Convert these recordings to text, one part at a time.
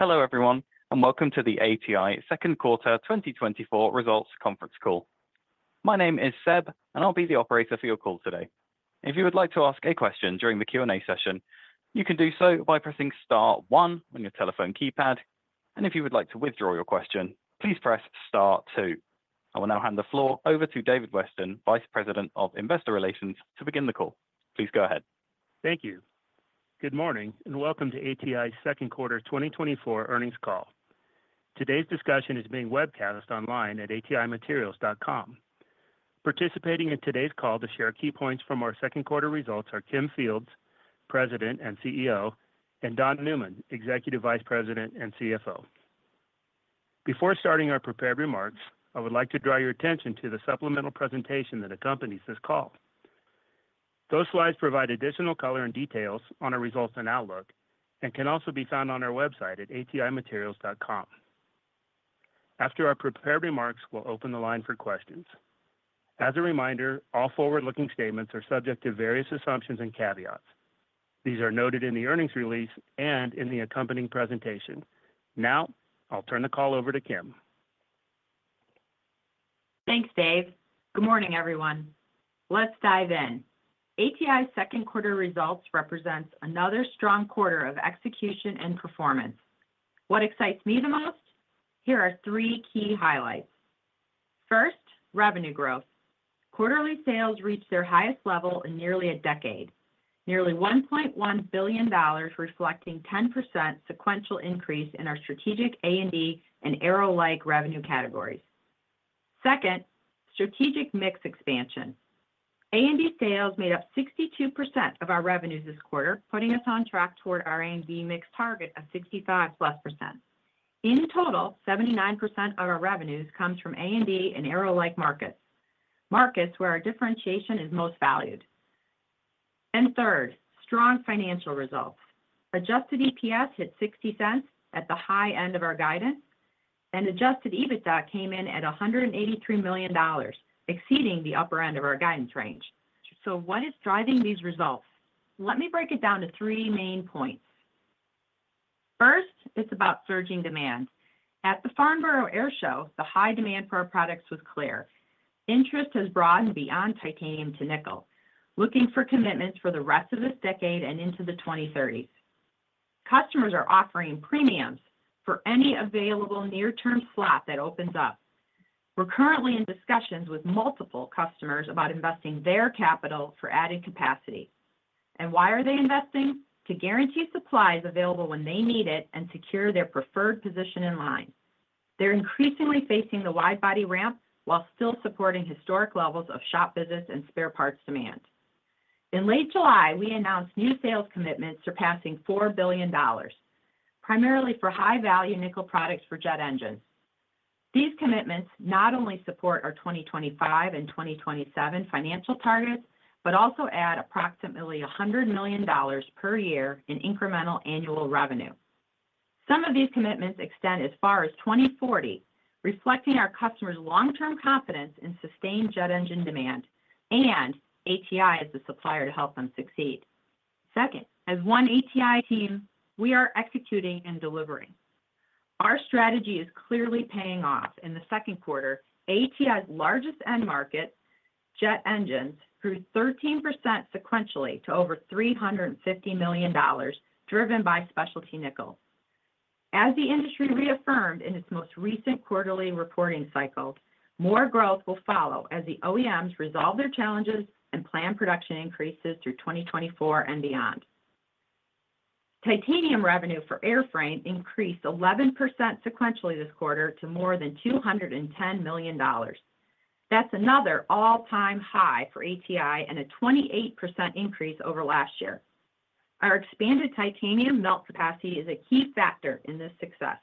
Hello, everyone, and welcome to the ATI second quarter 2024 results conference call. My name is Seb, and I'll be the operator for your call today. If you would like to ask a question during the Q&A session, you can do so by pressing star one on your telephone keypad, and if you would like to withdraw your question, please press star two. I will now hand the floor over to David Weston, Vice President of Investor Relations, to begin the call. Please go ahead. Thank you. Good morning, and welcome to ATI's second quarter 2024 earnings call. Today's discussion is being webcast online at atimaterials.com. Participating in today's call to share key points from our second quarter results are Kim Fields, President and CEO, and Don Newman, Executive Vice President and CFO. Before starting our prepared remarks, I would like to draw your attention to the supplemental presentation that accompanies this call. Those slides provide additional color and details on our results and outlook and can also be found on our website at atimaterials.com. After our prepared remarks, we'll open the line for questions. As a reminder, all forward-looking statements are subject to various assumptions and caveats. These are noted in the earnings release and in the accompanying presentation. Now, I'll turn the call over to Kim. Thanks, Dave. Good morning, everyone. Let's dive in. ATI's second quarter results represents another strong quarter of execution and performance. What excites me the most? Here are three key highlights. First, revenue growth. Quarterly sales reached their highest level in nearly a decade. Nearly $1.1 billion, reflecting 10% sequential increase in our strategic A&D and Aero-like revenue categories. Second, strategic mix expansion. A&D sales made up 62% of our revenues this quarter, putting us on track toward our A&D mix target of 65%+. In total, 79% of our revenues comes from A&D and Aero-like markets, markets where our differentiation is most valued. And third, strong financial results. Adjusted EPS hit $0.60 at the high end of our guidance, and Adjusted EBITDA came in at $183 million, exceeding the upper end of our guidance range. So what is driving these results? Let me break it down to three main points. First, it's about surging demand. At the Farnborough Airshow, the high demand for our products was clear. Interest has broadened beyond titanium to nickel, looking for commitments for the rest of this decade and into the 2030s. Customers are offering premiums for any available near-term slot that opens up. We're currently in discussions with multiple customers about investing their capital for adding capacity. And why are they investing? To guarantee supply is available when they need it and secure their preferred position in line. They're increasingly facing the wide-body ramp while still supporting historic levels of shop visits and spare parts demand. In late July, we announced new sales commitments surpassing $4 billion, primarily for high-value nickel products for jet engines. These commitments not only support our 2025 and 2027 financial targets, but also add approximately $100 million per year in incremental annual revenue. Some of these commitments extend as far as 2040, reflecting our customers' long-term confidence in sustained jet engine demand and ATI as a supplier to help them succeed. Second, as One ATI team, we are executing and delivering. Our strategy is clearly paying off. In the second quarter, ATI's largest end market, jet engines, grew 13% sequentially to over $350 million, driven by specialty nickel. As the industry reaffirmed in its most recent quarterly reporting cycle, more growth will follow as the OEMs resolve their challenges and plan production increases through 2024 and beyond. Titanium revenue for airframe increased 11% sequentially this quarter to more than $210 million. That's another all-time high for ATI and a 28% increase over last year. Our expanded titanium melt capacity is a key factor in this success.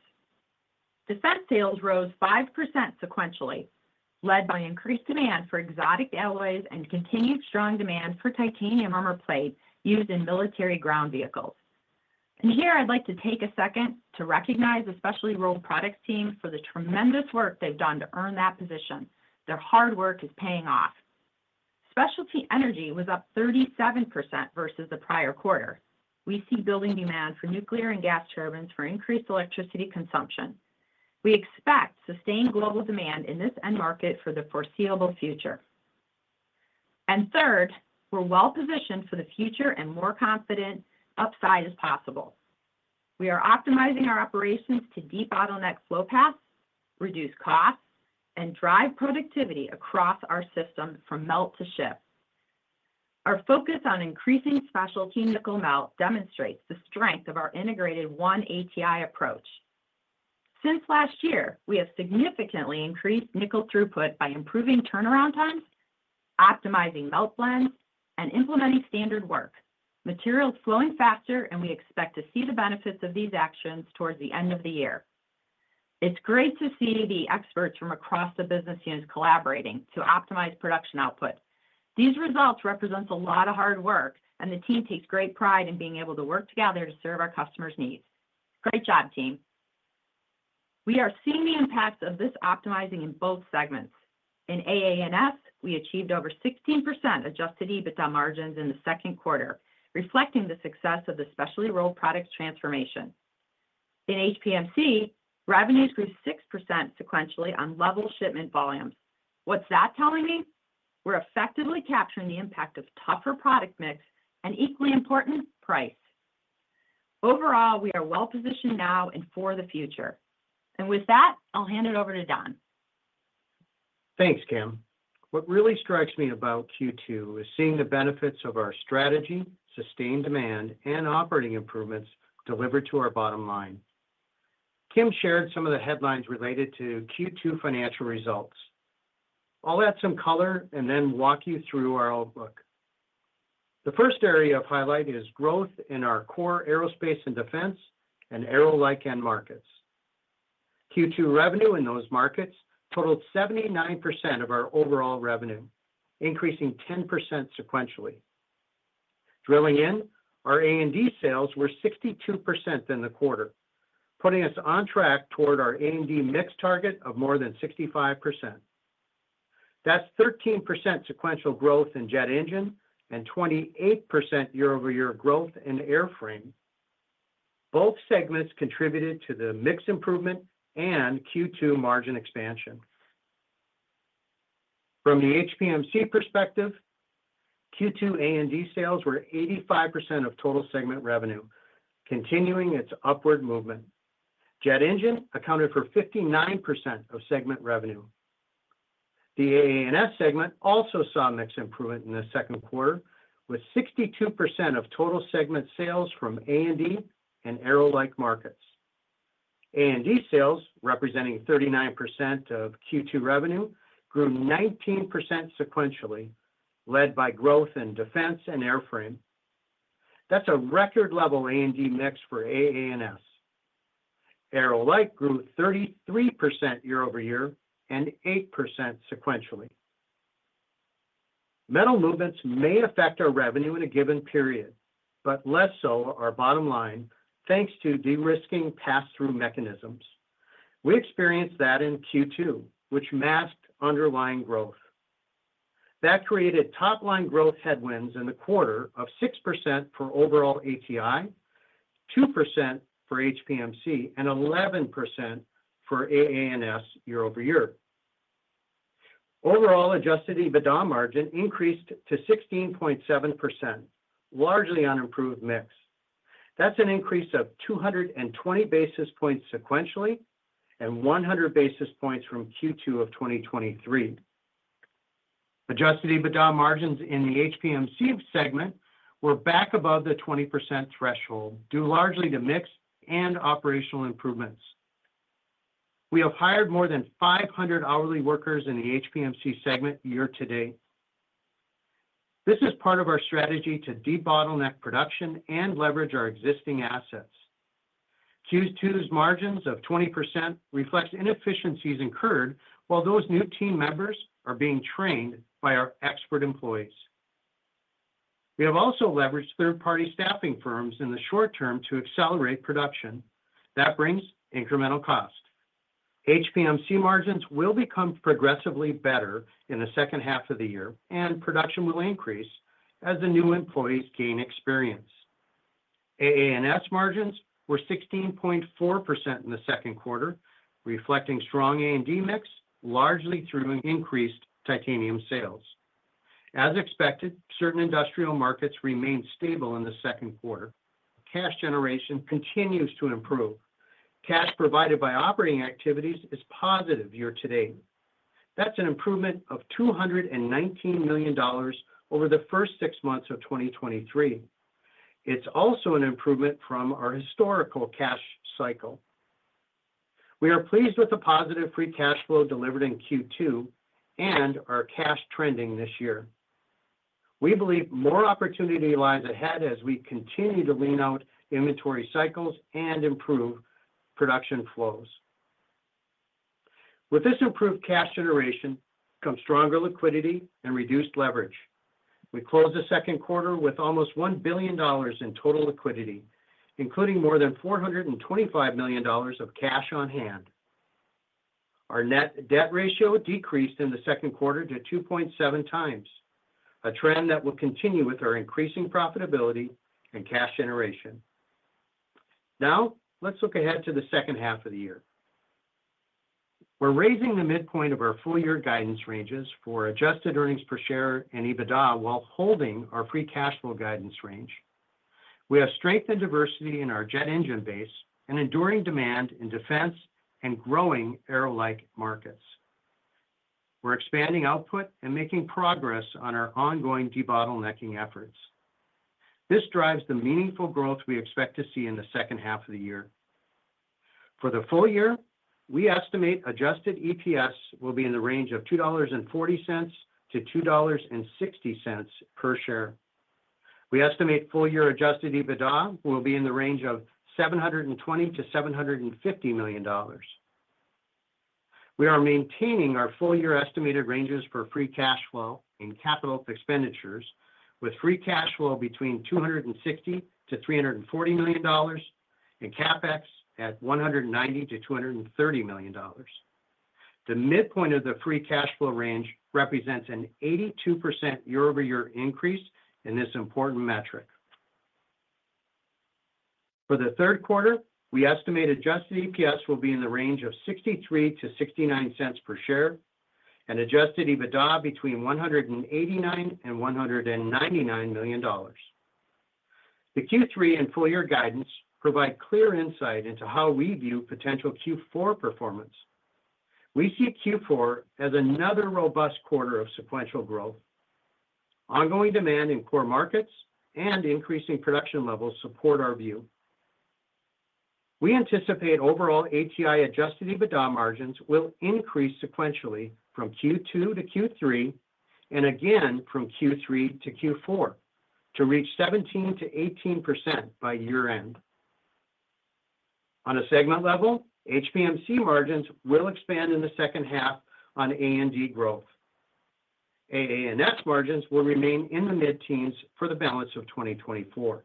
Defense sales rose 5% sequentially, led by increased demand for exotic alloys and continued strong demand for titanium armor plates used in military ground vehicles. And here I'd like to take a second to recognize the Specialty Rolled Products team for the tremendous work they've done to earn that position. Their hard work is paying off. Specialty energy was up 37% versus the prior quarter. We see building demand for nuclear and gas turbines for increased electricity consumption. We expect sustained global demand in this end market for the foreseeable future. And third, we're well positioned for the future and more confident upside is possible. We are optimizing our operations to debottleneck flow paths, reduce costs, and drive productivity across our system from melt to ship. Our focus on increasing specialty nickel melt demonstrates the strength of our integrated One ATI approach. Since last year, we have significantly increased nickel throughput by improving turnaround times, optimizing melt blends, and implementing standard work. Materials are flowing faster, and we expect to see the benefits of these actions towards the end of the year. It's great to see the experts from across the business units collaborating to optimize production output. These results represent a lot of hard work, and the team takes great pride in being able to work together to serve our customers' needs. Great job, team! We are seeing the impacts of this optimization in both segments. In AA&S, we achieved over 16% Adjusted EBITDA margins in the second quarter, reflecting the success of the Specialty Rolled Products transformation. In HPMC, revenues grew 6% sequentially on level shipment volumes. What's that telling me? We're effectively capturing the impact of tougher product mix and, equally important, price. Overall, we are well-positioned now and for the future. And with that, I'll hand it over to Don. Thanks, Kim. What really strikes me about Q2 is seeing the benefits of our strategy, sustained demand, and operating improvements delivered to our bottom line. Kim shared some of the headlines related to Q2 financial results. I'll add some color and then walk you through our outlook. The first area of highlight is growth in our core aerospace and defense and Aero-like end markets. Q2 revenue in those markets totaled 79% of our overall revenue, increasing 10% sequentially. Drilling down, our A&D sales were 62% in the quarter, putting us on track toward our A&D mix target of more than 65%. That's 13% sequential growth in jet engine and 28% year-over-year growth in airframe. Both segments contributed to the mix improvement and Q2 margin expansion. From the HPMC perspective, Q2 A&D sales were 85% of total segment revenue, continuing its upward movement. Jet engine accounted for 59% of segment revenue. The AA&S segment also saw mix improvement in the second quarter, with 62% of total segment sales from A&D and Aero-like markets. A&D sales, representing 39% of Q2 revenue, grew 19% sequentially, led by growth in defense and airframe. That's a record-level A&D mix for AA&S. Aero-like grew 33% year-over-year and 8% sequentially. Metal movements may affect our revenue in a given period, but less so our bottom line, thanks to de-risking pass-through mechanisms. We experienced that in Q2, which masked underlying growth. That created top-line growth headwinds in the quarter of 6% for overall ATI, 2% for HPMC, and 11% for AA&S year-over-year. Overall, Adjusted EBITDA margin increased to 16.7%, largely on improved mix. That's an increase of 220 basis points sequentially and 100 basis points from Q2 of 2023. Adjusted EBITDA margins in the HPMC segment were back above the 20% threshold, due largely to mix and operational improvements. We have hired more than 500 hourly workers in the HPMC segment year-to-date. This is part of our strategy to debottleneck production and leverage our existing assets. Q2's margins of 20% reflects inefficiencies incurred while those new team members are being trained by our expert employees. We have also leveraged third-party staffing firms in the short term to accelerate production. That brings incremental cost. HPMC margins will become progressively better in the second half of the year, and production will increase as the new employees gain experience. AA&S margins were 16.4% in the second quarter, reflecting strong A&D mix, largely through increased titanium sales. As expected, certain industrial markets remained stable in the second quarter. Cash generation continues to improve. Cash provided by operating activities is positive year-to-date. That's an improvement of $219 million over the first six months of 2023. It's also an improvement from our historical cash cycle. We are pleased with the positive free cash flow delivered in Q2 and our cash trending this year. We believe more opportunity lies ahead as we continue to lean out inventory cycles and improve production flows. With this improved cash generation comes stronger liquidity and reduced leverage. We closed the second quarter with almost $1 billion in total liquidity, including more than $425 million of cash on hand. Our net debt ratio decreased in the second quarter to 2.7 times, a trend that will continue with our increasing profitability and cash generation. Now, let's look ahead to the second half of the year. We're raising the midpoint of our full-year guidance ranges for adjusted earnings per share and EBITDA while holding our free cash flow guidance range. We have strength and diversity in our jet engine base and enduring demand in defense and growing Aero-like markets. We're expanding output and making progress on our ongoing debottlenecking efforts. This drives the meaningful growth we expect to see in the second half of the year. For the full year, we estimate adjusted EPS will be in the range of $2.40-$2.60 per share. We estimate full-year Adjusted EBITDA will be in the range of $720 million-$750 million. We are maintaining our full-year estimated ranges for free cash flow and capital expenditures, with free cash flow between $260 million and $340 million and CapEx at $190 million-$230 million. The midpoint of the free cash flow range represents an 82% year-over-year increase in this important metric. For the third quarter, we estimate adjusted EPS will be in the range of $0.63-$0.69 per share and Adjusted EBITDA between $189 million and $199 million. The Q3 and full year guidance provide clear insight into how we view potential Q4 performance. We see Q4 as another robust quarter of sequential growth. Ongoing demand in core markets and increasing production levels support our view. We anticipate overall ATI Adjusted EBITDA margins will increase sequentially from Q2 to Q3, and again from Q3 to Q4, to reach 17%-18% by year-end. On a segment level, HPMC margins will expand in the second half on A&D growth. AA&S margins will remain in the mid-teens for the balance of 2024.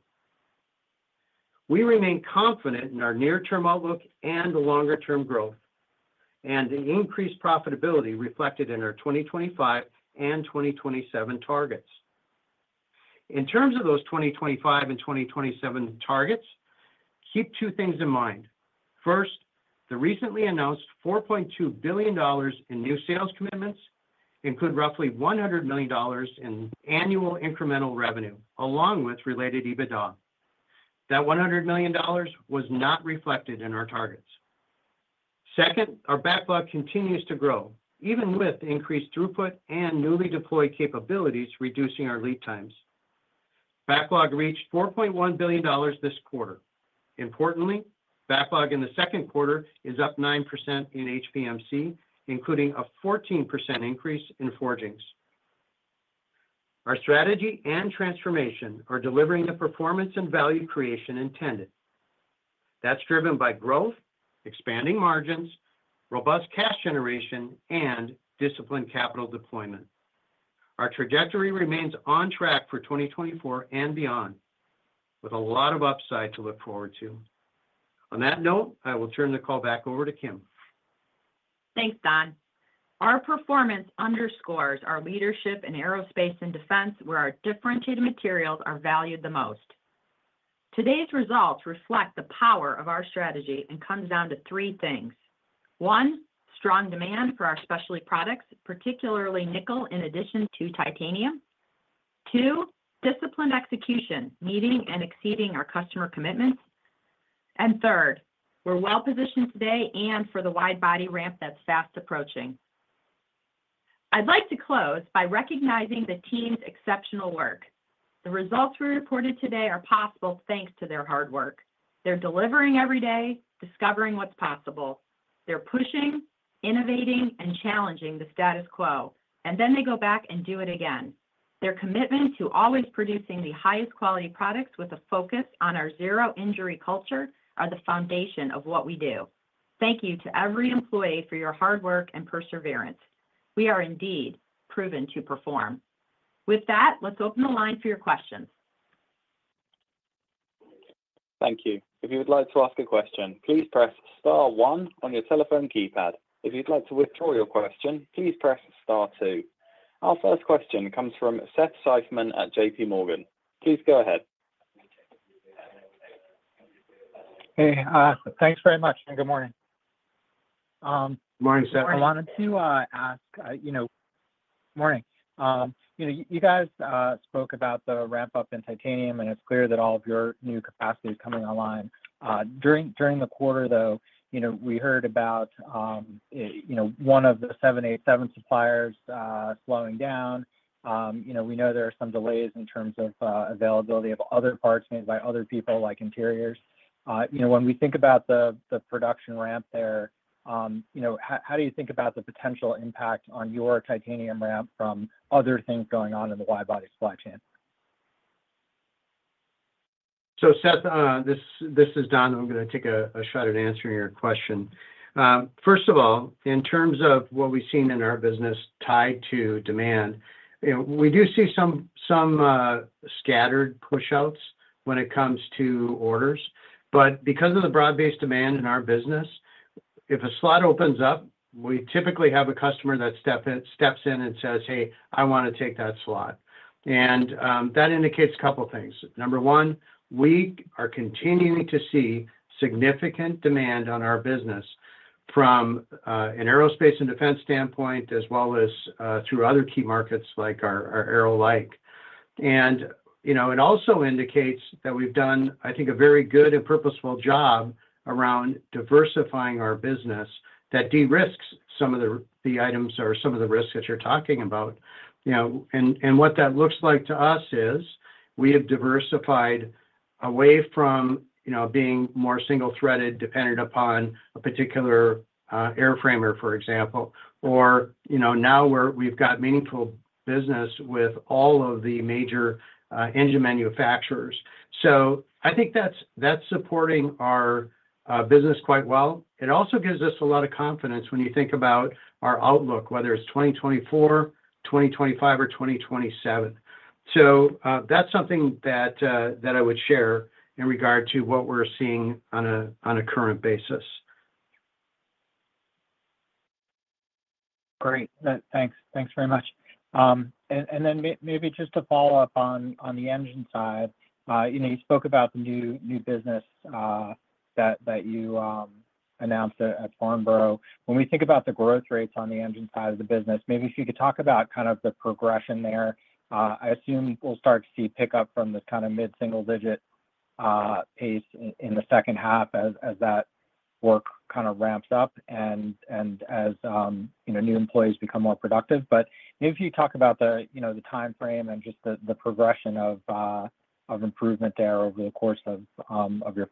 We remain confident in our near-term outlook and longer-term growth, and the increased profitability reflected in our 2025 and 2027 targets. In terms of those 2025 and 2027 targets, keep two things in mind. First, the recently announced $4.2 billion in new sales commitments include roughly $100 million in annual incremental revenue, along with related EBITDA. That $100 million was not reflected in our targets. Second, our backlog continues to grow, even with increased throughput and newly deployed capabilities, reducing our lead times. Backlog reached $4.1 billion this quarter. Importantly, backlog in the second quarter is up 9% in HPMC, including a 14% increase in forgings. Our strategy and transformation are delivering the performance and value creation intended. That's driven by growth, expanding margins, robust cash generation, and disciplined capital deployment. Our trajectory remains on track for 2024 and beyond, with a lot of upside to look forward to. On that note, I will turn the call back over to Kim. Thanks, Don. Our performance underscores our leadership in aerospace and defense, where our differentiated materials are valued the most. Today's results reflect the power of our strategy and comes down to three things. One, strong demand for our specialty products, particularly nickel, in addition to titanium. Two, disciplined execution, meeting and exceeding our customer commitments. And third, we're well positioned today and for the wide-body ramp that's fast approaching. I'd like to close by recognizing the team's exceptional work. The results we reported today are possible thanks to their hard work. They're delivering every day, discovering what's possible. They're pushing, innovating, and challenging the status quo, and then they go back and do it again. Their commitment to always producing the highest quality products with a focus on our zero-injury culture are the foundation of what we do. Thank you to every employee for your hard work and perseverance. We are indeed proven to perform. With that, let's open the line for your questions. Thank you. If you would like to ask a question, please press star one on your telephone keypad. If you'd like to withdraw your question, please press star two. Our first question comes from Seth Seifman at J.P. Morgan. Please go ahead. Hey, thanks very much and good morning. Morning, Seth. Morning. I wanted to ask, you know... Morning. You know, you guys spoke about the ramp-up in titanium, and it's clear that all of your new capacity is coming online. During the quarter, though, you know, we heard about, you know, one of the 787 suppliers slowing down. You know, we know there are some delays in terms of availability of other parts made by other people, like interiors. You know, when we think about the production ramp there, you know, how do you think about the potential impact on your titanium ramp from other things going on in the wide-body supply chain? So, Seth, this is Don. I'm gonna take a shot at answering your question. First of all, in terms of what we've seen in our business tied to demand, you know, we do see some scattered push outs when it comes to orders. But because of the broad-based demand in our business, if a slot opens up, we typically have a customer that steps in and says, "Hey, I wanna take that slot." And that indicates a couple things. Number one, we are continuing to see significant demand on our business from an aerospace and defense standpoint, as well as through other key markets like our Aero-like. And, you know, it also indicates that we've done, I think, a very good and purposeful job around diversifying our business that de-risks some of the, the items or some of the risks that you're talking about. You know, and, and what that looks like to us is we have diversified away from, you know, being more single-threaded, dependent upon a particular airframer, for example, or, you know, now we're we've got meaningful business with all of the major engine manufacturers. So I think that's, that's supporting our business quite well. It also gives us a lot of confidence when you think about our outlook, whether it's 2024, 2025, or 2027. So, that's something that, that I would share in regard to what we're seeing on a, on a current basis. Great. Thanks. Thanks very much. And then maybe just to follow up on the engine side, you know, you spoke about the new business that you announced at Farnborough. When we think about the growth rates on the engine side of the business, maybe if you could talk about kind of the progression there. I assume we'll start to see pickup from this kind of mid-single digit pace in the second half as that work kind of ramps up and as you know, new employees become more productive. But maybe if you talk about the timeframe and just the progression of improvement there over the course of your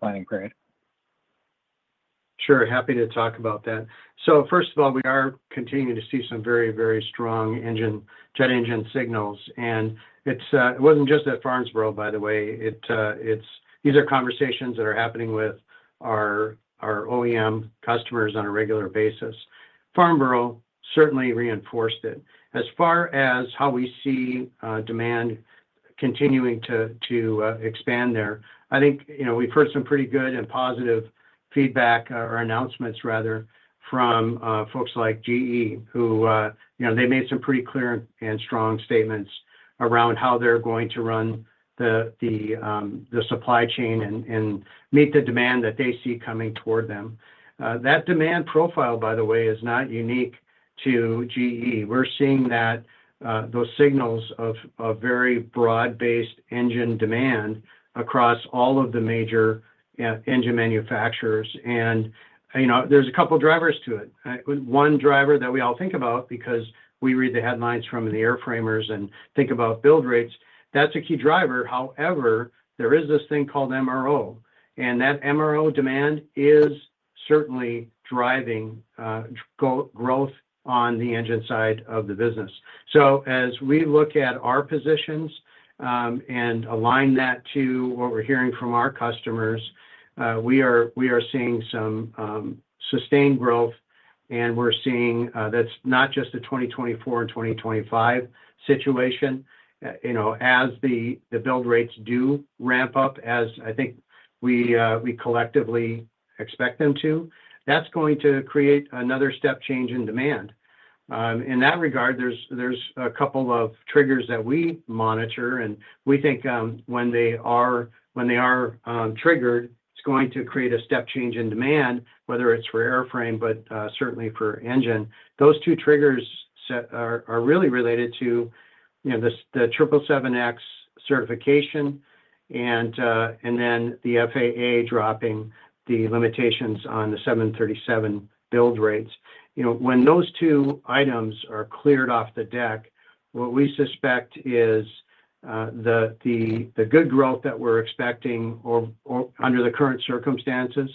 planning period. Sure, happy to talk about that. So first of all, we are continuing to see some very, very strong engine- jet engine signals, and it's, it wasn't just at Farnborough, by the way. It, it's- these are conversations that are happening with our, our OEM customers on a regular basis. Farnborough certainly reinforced it. As far as how we see, demand continuing to expand there, I think, you know, we've heard some pretty good and positive feedback, or announcements rather, from, folks like GE, who, you know, they made some pretty clear and strong statements around how they're going to run the, the, the supply chain and, and meet the demand that they see coming toward them. That demand profile, by the way, is not unique to GE. We're seeing that those signals of very broad-based engine demand across all of the major engine manufacturers. And, you know, there's a couple of drivers to it. One driver that we all think about because we read the headlines from the airframers and think about build rates, that's a key driver. However, there is this thing called MRO, and that MRO demand is certainly driving growth on the engine side of the business. So as we look at our positions and align that to what we're hearing from our customers, we are seeing some sustained growth, and we're seeing that's not just a 2024 and 2025 situation. You know, as the build rates do ramp up, as I think we collectively expect them to, that's going to create another step change in demand. In that regard, there's a couple of triggers that we monitor, and we think, when they are triggered, it's going to create a step change in demand, whether it's for airframe, but certainly for engine. Those two triggers are really related to, you know, the 777X certification and then the FAA dropping the limitations on the 737 build rates. You know, when those two items are cleared off the deck, what we suspect is the good growth that we're expecting or under the current circumstances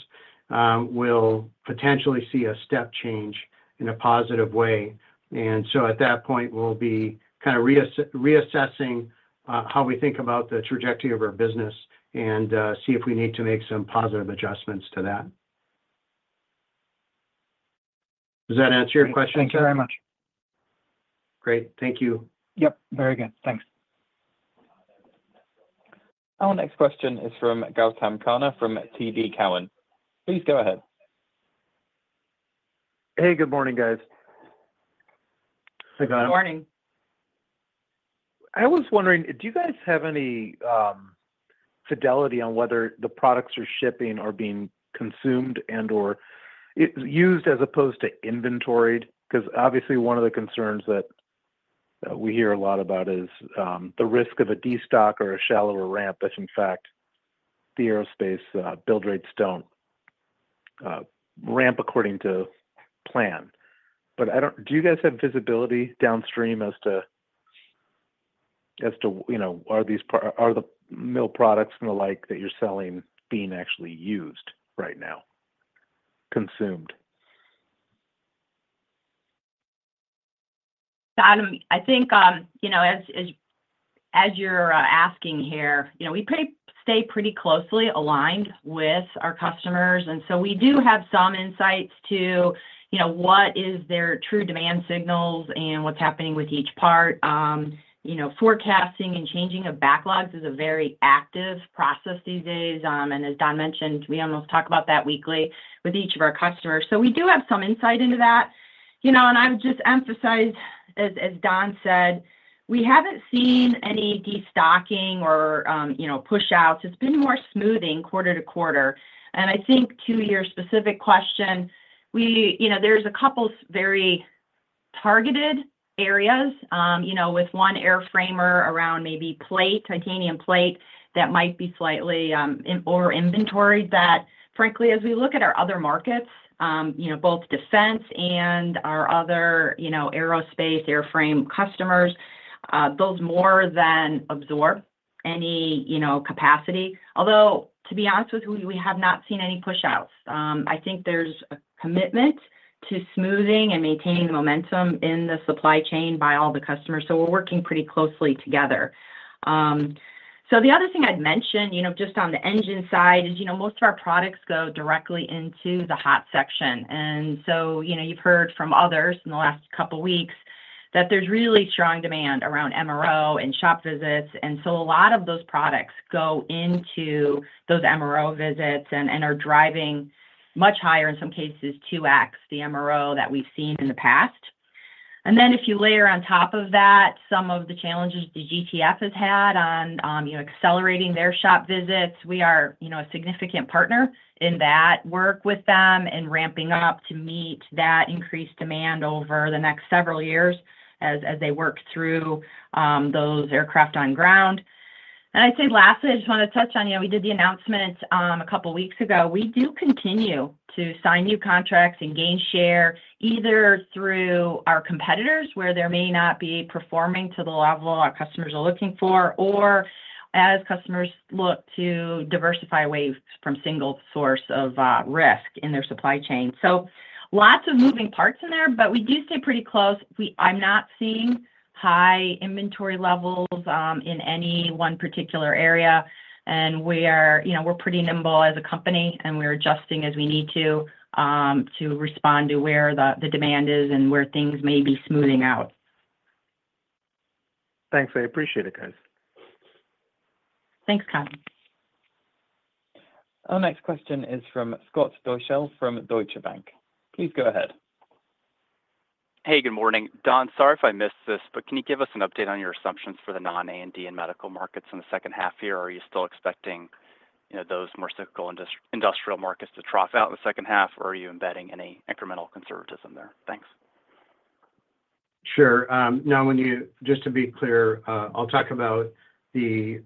will potentially see a step change in a positive way. So at that point, we'll be kind of reassessing how we think about the trajectory of our business and see if we need to make some positive adjustments to that. Does that answer your question, Tim? Thank you very much. Great. Thank you. Yep, very good. Thanks. Our next question is from Gautam Khanna from TD Cowen. Please go ahead. Hey, good morning, guys. Hey, Gautam. Good morning. I was wondering, do you guys have any fidelity on whether the products are shipping or being consumed and/or used as opposed to inventoried? Because obviously, one of the concerns that we hear a lot about is the risk of a destock or a shallower ramp if, in fact, the aerospace build rates don't ramp according to plan. But I don't-- Do you guys have visibility downstream as to, as to, you know, are these are the mill products and the like that you're selling being actually used right now, consumed? Gautam, I think, you know, as you're asking here, you know, we stay pretty closely aligned with our customers, and so we do have some insights to, you know, what is their true demand signals and what's happening with each part. You know, forecasting and changing of backlogs is a very active process these days. And as Don mentioned, we almost talk about that weekly with each of our customers. So we do have some insight into that. You know, and I would just emphasize, as Don said, we haven't seen any destocking or, you know, push-outs. It's been more smoothing quarter to quarter. And I think to your specific question, we... You know, there's a couple very targeted areas, you know, with one airframer around maybe plate, titanium plate, that might be slightly in over-inventoried, but frankly, as we look at our other markets, you know, both defense and our other, you know, aerospace, airframe customers, those more than absorb any, you know, capacity. Although, to be honest with you, we have not seen any pushouts. I think there's a commitment to smoothing and maintaining the momentum in the supply chain by all the customers, so we're working pretty closely together. So the other thing I'd mention, you know, just on the engine side is, you know, most of our products go directly into the hot section. And so, you know, you've heard from others in the last couple weeks that there's really strong demand around MRO and shop visits, and so a lot of those products go into those MRO visits and are driving much higher, in some cases, 2X the MRO that we've seen in the past. And then if you layer on top of that some of the challenges the GTF has had on, you know, accelerating their shop visits, we are, you know, a significant partner in that work with them and ramping up to meet that increased demand over the next several years as they work through those aircraft on ground. And I'd say lastly, I just wanna touch on, you know, we did the announcement a couple weeks ago. We do continue to sign new contracts and gain share, either through our competitors, where they may not be performing to the level our customers are looking for, or as customers look to diversify away from single source of risk in their supply chain. So lots of moving parts in there, but we do stay pretty close. I'm not seeing high inventory levels in any one particular area, and, you know, we're pretty nimble as a company, and we're adjusting as we need to to respond to where the demand is and where things may be smoothing out. Thanks. I appreciate it, guys. Thanks, Kyle. Our next question is from Scott Deuschle from Deutsche Bank. Please go ahead. Hey, good morning. Don, sorry if I missed this, but can you give us an update on your assumptions for the non-A&D and medical markets in the second half here? Are you still expecting, you know, those more cyclical industrial markets to trough out in the second half, or are you embedding any incremental conservatism there? Thanks. Sure. Just to be clear, I'll talk about the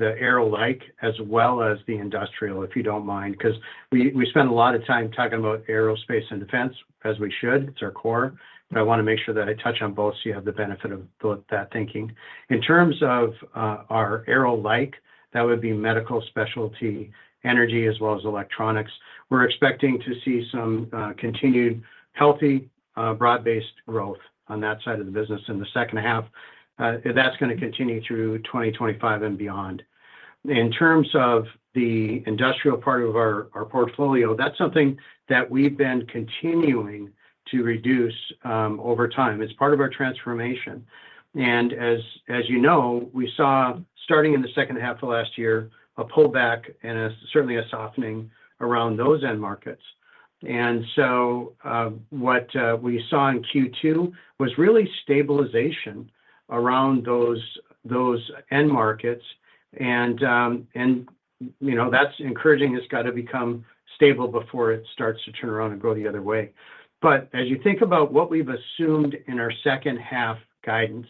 Aero-like as well as the industrial, if you don't mind, 'cause we spend a lot of time talking about aerospace and defense, as we should. It's our core, but I wanna make sure that I touch on both so you have the benefit of both that thinking. In terms of our Aero-like, that would be medical, Specialty Energy, as well as electronics. We're expecting to see some continued healthy broad-based growth on that side of the business in the second half. That's gonna continue through 2025 and beyond. In terms of the industrial part of our portfolio, that's something that we've been continuing to reduce over time. It's part of our transformation. And as you know, we saw, starting in the second half of last year, a pullback and certainly a softening around those end markets. And so, what we saw in Q2 was really stabilization around those end markets, and, you know, that's encouraging. It's got to become stable before it starts to turn around and go the other way. But as you think about what we've assumed in our second half guidance,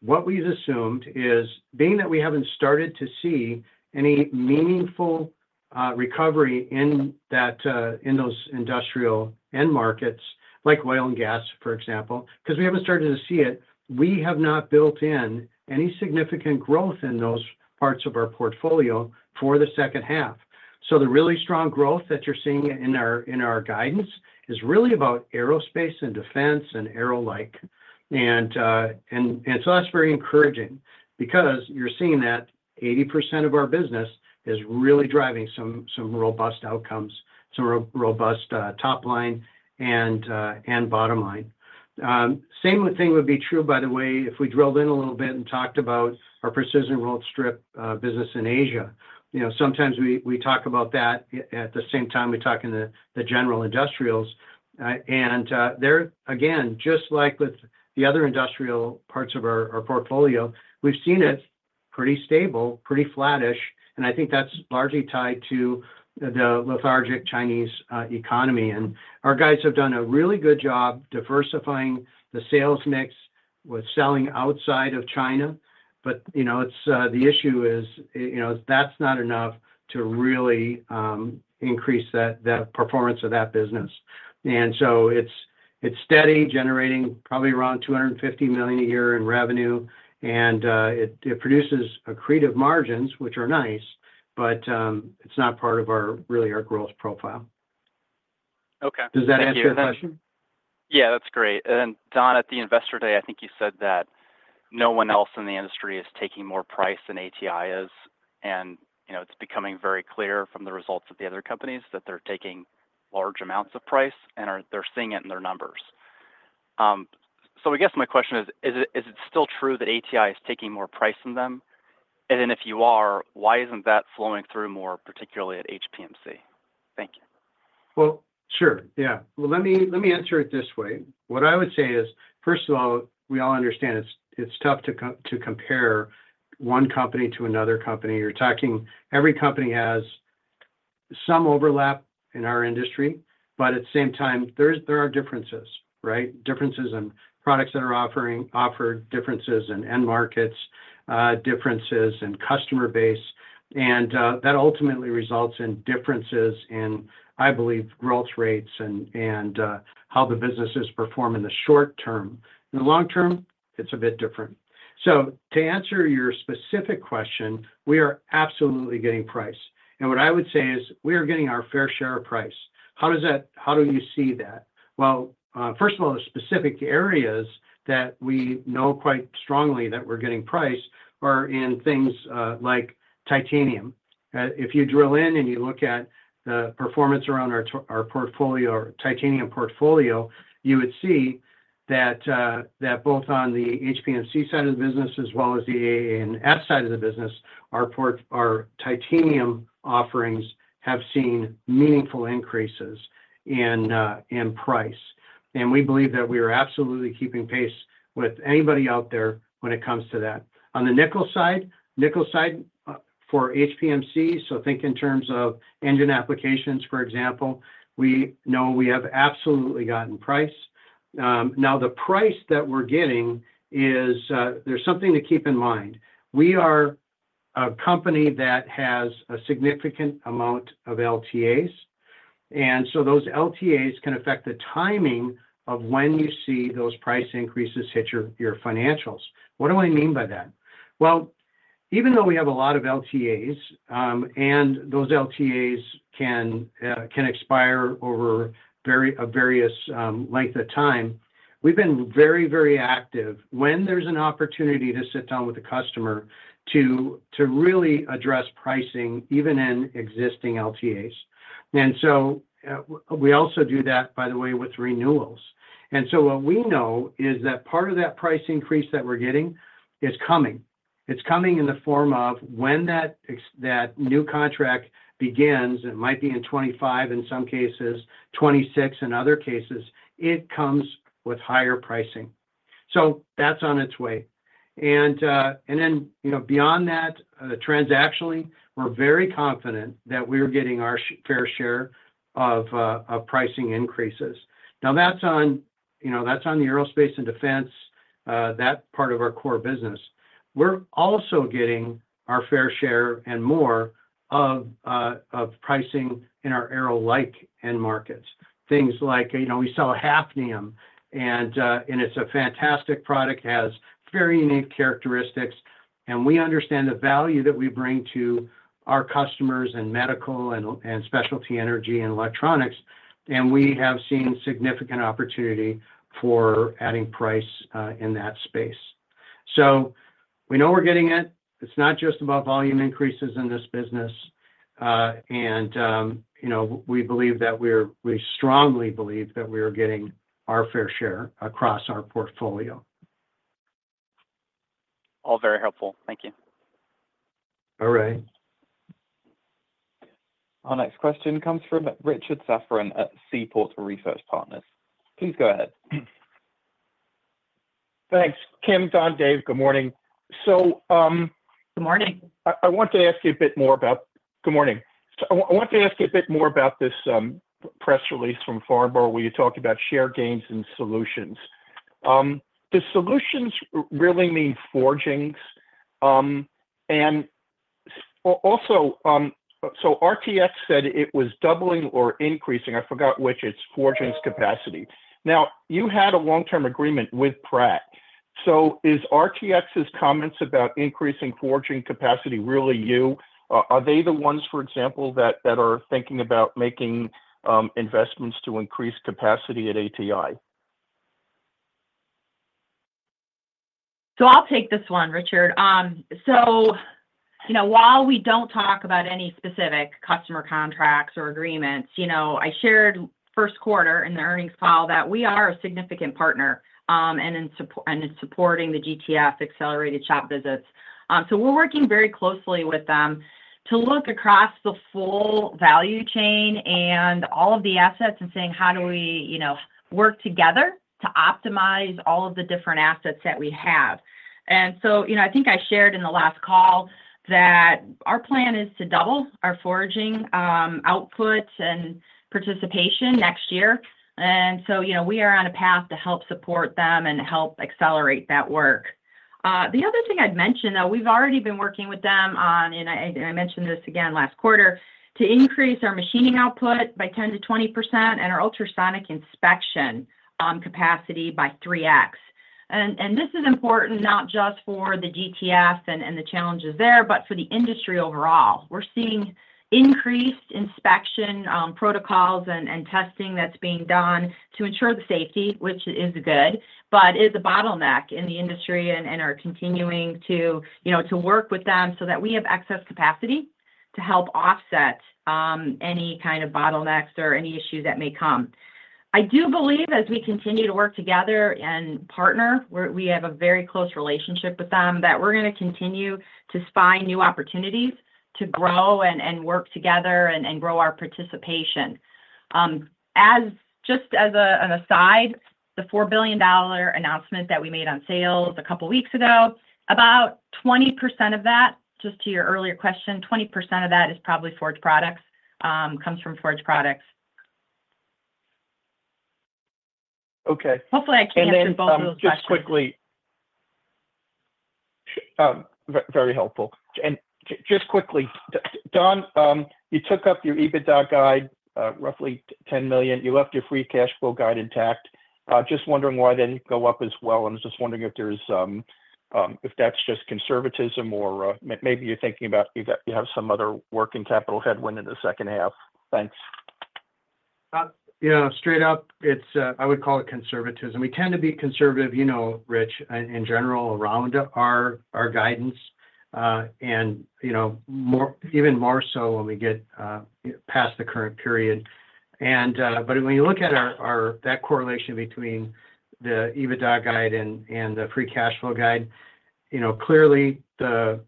what we've assumed is, being that we haven't started to see any meaningful recovery in that, in those industrial end markets, like oil and gas, for example, 'cause we haven't started to see it, we have not built in any significant growth in those parts of our portfolio for the second half. So the really strong growth that you're seeing in our guidance is really about aerospace and defense and Aero-like. And so that's very encouraging because you're seeing that 80% of our business is really driving some robust top line and bottom line. Same thing would be true, by the way, if we drilled in a little bit and talked about our Precision Rolled Strip business in Asia. You know, sometimes we talk about that at the same time we talk in the general industrials. And there, again, just like with the other industrial parts of our portfolio, we've seen it pretty stable, pretty flattish, and I think that's largely tied to the lethargic Chinese economy. And our guys have done a really good job diversifying the sales mix with selling outside of China, but, you know, it's, the issue is, you know, that's not enough to really, increase that, that performance of that business. And so it's, it's steady, generating probably around $250 million a year in revenue, and, it, it produces accretive margins, which are nice, but, it's not part of our, really, our growth profile. Okay. Does that answer your question? Yeah, that's great. And Don, at the Investor Day, I think you said that no one else in the industry is taking more price than ATI is. And, you know, it's becoming very clear from the results of the other companies that they're taking large amounts of price, and they're seeing it in their numbers. So I guess my question is: Is it, is it still true that ATI is taking more price than them? And then if you are, why isn't that flowing through more, particularly at HPMC? Thank you. Well, sure, yeah. Well, let me answer it this way. What I would say is, first of all, we all understand it's tough to compare one company to another company. You're talking... Every company has some overlap in our industry, but at the same time, there are differences, right? Differences in products that are offered, differences in end markets, differences in customer base... and that ultimately results in differences in, I believe, growth rates and how the business is performing in the short term. In the long term, it's a bit different. So to answer your specific question, we are absolutely getting price. And what I would say is, we are getting our fair share of price. How does that- how do you see that? Well, first of all, the specific areas that we know quite strongly that we're getting price are in things like titanium. If you drill in and you look at the performance around our portfolio, our titanium portfolio, you would see that both on the HPMC side of the business, as well as the AA&S side of the business, our titanium offerings have seen meaningful increases in price. And we believe that we are absolutely keeping pace with anybody out there when it comes to that. On the nickel side, nickel side for HPMC, so think in terms of engine applications, for example, we know we have absolutely gotten price. Now, the price that we're getting is... There's something to keep in mind. We are a company that has a significant amount of LTAs, and so those LTAs can affect the timing of when you see those price increases hit your financials. What do I mean by that? Well, even though we have a lot of LTAs, and those LTAs can expire over various lengths of time, we've been very, very active when there's an opportunity to sit down with the customer to really address pricing, even in existing LTAs. And so, we also do that, by the way, with renewals. And so what we know is that part of that price increase that we're getting is coming. It's coming in the form of when that new contract begins, it might be in 2025, in some cases 2026, in other cases, it comes with higher pricing. So that's on its way. And then, you know, beyond that, transactionally, we're very confident that we're getting our fair share of pricing increases. Now, that's on, you know, that's on the aerospace and defense, that part of our core business. We're also getting our fair share and more of pricing in our Aero-like end markets. Things like, you know, we sell hafnium, and it's a fantastic product. It has very unique characteristics, and we understand the value that we bring to our customers in medical and specialty energy and electronics, and we have seen significant opportunity for adding price in that space. So we know we're getting it. It's not just about volume increases in this business. And, you know, we strongly believe that we are getting our fair share across our portfolio. All very helpful. Thank you. All right. Our next question comes from Richard Safran at Seaport Research Partners. Please go ahead. Thanks. Kim, Don, Dave, good morning. So, Good morning. Good morning. I want to ask you a bit more about this press release from Farnborough, where you talked about share gains and solutions. Does solutions really mean forgings? And also, so RTX said it was doubling or increasing, I forgot which, its forgings capacity. Now, you had a long-term agreement with Pratt. So is RTX's comments about increasing forging capacity really you? Are they the ones, for example, that are thinking about making investments to increase capacity at ATI? So I'll take this one, Richard. So, you know, while we don't talk about any specific customer contracts or agreements, you know, I shared first quarter in the earnings call that we are a significant partner, and in supporting the GTF accelerated shop visits. So we're working very closely with them to look across the full value chain and all of the assets, and saying: How do we, you know, work together to optimize all of the different assets that we have? And so, you know, I think I shared in the last call that our plan is to double our forging output and participation next year. And so, you know, we are on a path to help support them and help accelerate that work. The other thing I'd mention, though, we've already been working with them on, and I mentioned this again last quarter, to increase our machining output by 10%-20% and our ultrasonic inspection capacity by 3x. And this is important not just for the GTF and the challenges there, but for the industry overall. We're seeing increased inspection protocols and testing that's being done to ensure the safety, which is good, but is a bottleneck in the industry and are continuing to, you know, to work with them so that we have excess capacity to help offset any kind of bottlenecks or any issues that may come. I do believe as we continue to work together and partner, we have a very close relationship with them, that we're gonna continue to see new opportunities to grow and work together and grow our participation. Just as an aside, the $4 billion announcement that we made on sales a couple weeks ago, about 20% of that, just to your earlier question, 20% of that is probably Forged Products, comes from Forged Products.... Okay. Hopefully I can answer both of those questions. Just quickly, very helpful. Just quickly, Don, you took up your EBITDA guide, roughly $10 million. You left your free cash flow guide intact. Just wondering why that didn't go up as well, and I was just wondering if that's just conservatism or maybe you're thinking about you have some other working capital headwind in the second half. Thanks. Yeah, straight up, it's, I would call it conservatism. We tend to be conservative, you know, Rich, in general, around our, our guidance, and, you know, more, even more so when we get past the current period. But when you look at our, our... That correlation between the EBITDA guide and the free cash flow guide, you know, clearly the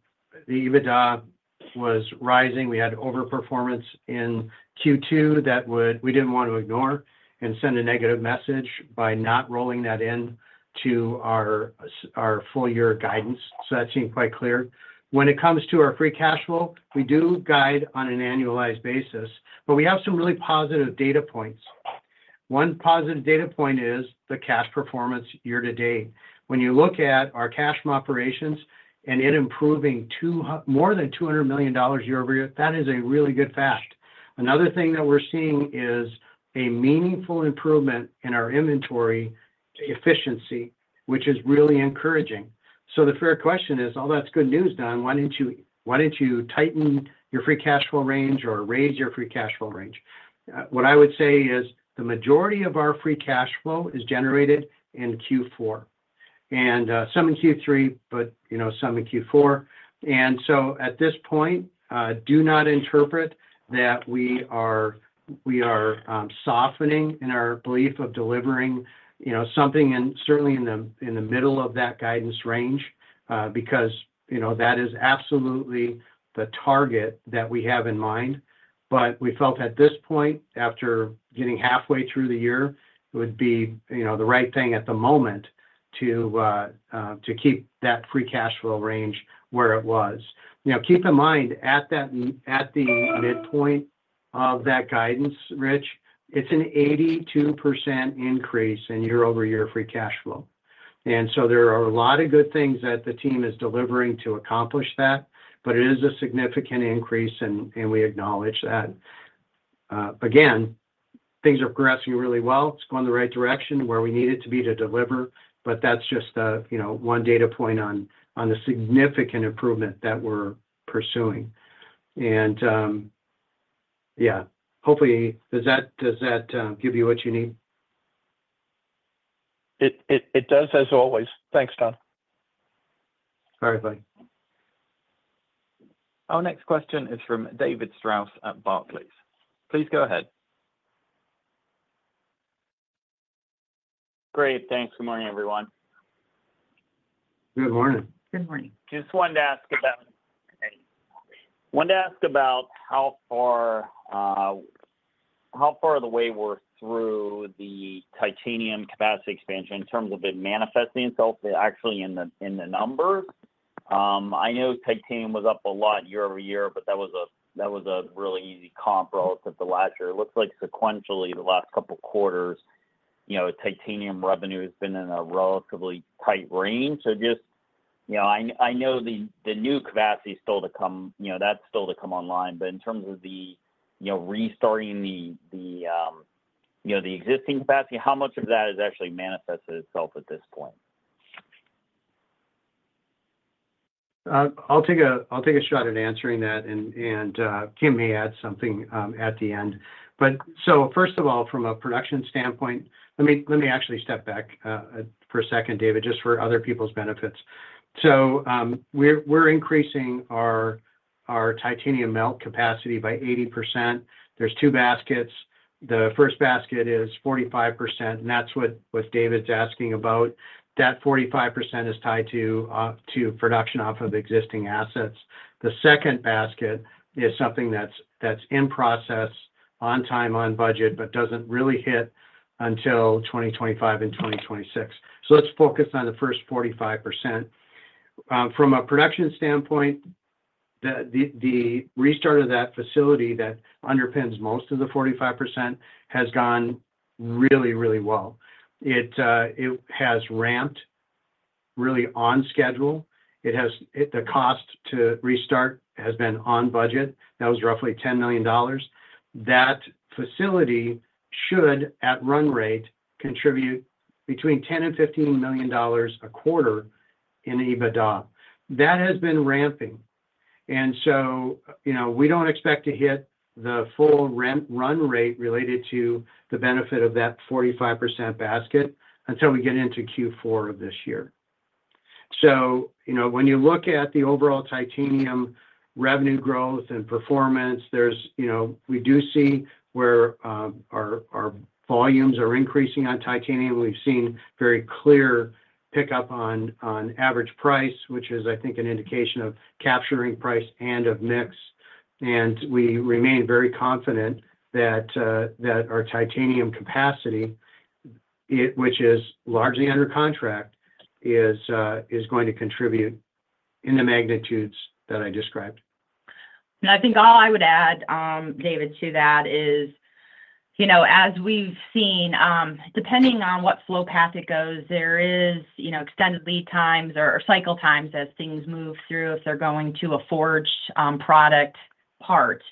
EBITDA was rising. We had overperformance in Q2 that would-- we didn't want to ignore and send a negative message by not rolling that in to our our full-year guidance, so that seemed quite clear. When it comes to our free cash flow, we do guide on an annualized basis, but we have some really positive data points. One positive data point is the cash performance year to date. When you look at our cash from operations and it improving more than $200 million year-over-year, that is a really good fact. Another thing that we're seeing is a meaningful improvement in our inventory efficiency, which is really encouraging. So the fair question is, "All that's good news, Don, why didn't you tighten your free cash flow range or raise your free cash flow range?" What I would say is the majority of our free cash flow is generated in Q4, and some in Q3, but, you know, some in Q4. And so at this point, do not interpret that we are softening in our belief of delivering, you know, something and certainly in the middle of that guidance range, because, you know, that is absolutely the target that we have in mind. But we felt at this point, after getting halfway through the year, it would be, you know, the right thing at the moment to keep that free cash flow range where it was. You know, keep in mind, at the midpoint of that guidance, Rich, it's an 82% increase in year-over-year free cash flow. And so there are a lot of good things that the team is delivering to accomplish that, but it is a significant increase, and we acknowledge that. Again, things are progressing really well. It's going in the right direction where we need it to be to deliver, but that's just, you know, one data point on the significant improvement that we're pursuing. And, yeah, hopefully... Does that give you what you need? It does, as always. Thanks, Don. All right, bye. Our next question is from David Strauss at Barclays. Please go ahead. Great, thanks. Good morning, everyone. Good morning. Good morning. Just wanted to ask about how far we're through the titanium capacity expansion in terms of it manifesting itself, actually in the numbers. I know titanium was up a lot year-over-year, but that was a really easy comp relative to last year. It looks like sequentially, the last couple of quarters, you know, titanium revenue has been in a relatively tight range. So just, you know, I know the new capacity is still to come, you know, that's still to come online. But in terms of the, you know, restarting the existing capacity, how much of that has actually manifested itself at this point? I'll take a shot at answering that, and Kim may add something at the end. But so first of all, from a production standpoint, let me actually step back for a second, David, just for other people's benefits. So, we're increasing our titanium melt capacity by 80%. There's two baskets. The first basket is 45%, and that's what David's asking about. That 45% is tied to production off of existing assets. The second basket is something that's in process, on time, on budget, but doesn't really hit until 2025 and 2026. So let's focus on the first 45%. From a production standpoint, the restart of that facility that underpins most of the 45% has gone really, really well. It, it has ramped really on schedule. It has - the cost to restart has been on budget. That was roughly $10 million. That facility should, at run rate, contribute between $10-$15 million a quarter in EBITDA. That has been ramping, and so, you know, we don't expect to hit the full ramp - run rate related to the benefit of that 45% basket until we get into Q4 of this year. So, you know, when you look at the overall titanium revenue growth and performance, there's, you know, we do see where, our, our volumes are increasing on titanium. We've seen very clear pickup on, on average price, which is, I think, an indication of capturing price and of mix. We remain very confident that our titanium capacity, which is largely under contract, is going to contribute in the magnitudes that I described.... And I think all I would add, David, to that is, you know, as we've seen, depending on what flow path it goes, there is, you know, extended lead times or cycle times as things move through, if they're going to a forged product part.